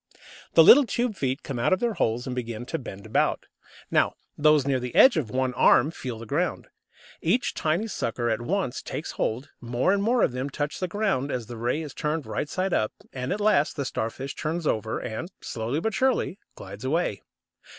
The little tube feet come out of their holes and begin to bend about. Now those near the edge of one "arm" feel the ground. Each tiny sucker at once takes hold, more and more of them touch the ground as the ray is turned right side up, and at last the Starfish turns over, and, slowly but surely, glides away.